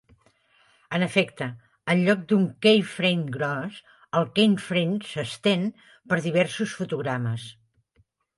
En efecte, en lloc d'un key frame gros, el key frame "s'estén" per diversos fotogrames.